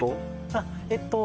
あっえっと